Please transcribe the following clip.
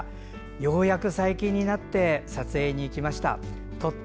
ようやく最近になって撮影に行きました。